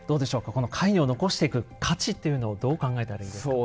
このカイニョを残していく価値というのをどう考えたらいいですか？